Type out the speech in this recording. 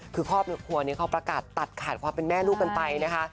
คือครอบครัวนี้เขาประกาศตัดขาดความเป็นแม่ลูกกันไปนะคะ